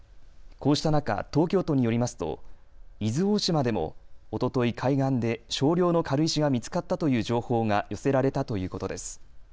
こうした中、東京都によりますと伊豆大島でもおととい海岸で少量の軽石が見つかったという情報が寄せられたということです。